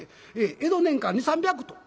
江戸年間２００３００頭。